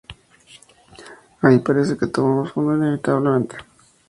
Ahí parece que tocamos fondo, inevitablemente.